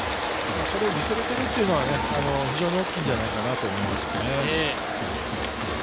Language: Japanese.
それが見せられるというのは非常に大きいんじゃないかなと思います。